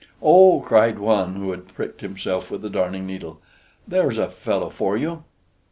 "Oh!" cried one, who had pricked himself with the Darning needle, "there's a fellow for you!"